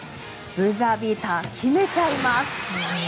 ブザービーター決めちゃいます。